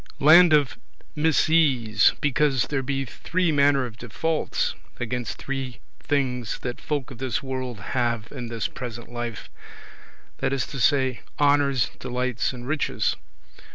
Land of misease, because there be three manner of defaults against three things that folk of this world have in this present life; that is to say, honours, delights, and riches.